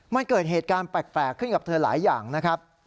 มันเกิดเหตุการณ์แปลกขึ้นกับเธอหลายอย่างนะครับ